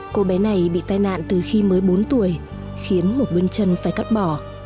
cô bé này bị tai nạn từ khi mới bốn tuổi khiến một bên chân phải cắt bỏ